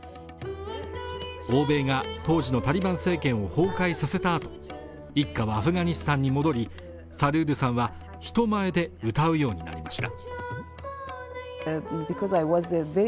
欧米が当時のタリバン政権を崩壊させたあと一家はアフガニスタンに戻りサルールさんは人前で歌うようになりました